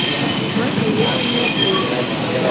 Мый вуетым нӧртем.